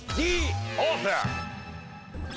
Ｄオープン！